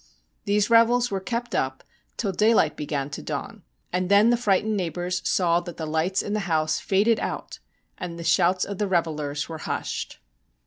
These revels were kept up till daylight began to dawn, and then the frightened neighbours saw that the lights in the house faded out, and the shouts of the revellers were hushed.